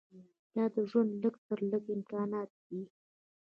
دا د ژوند لږ تر لږه امکانات دي.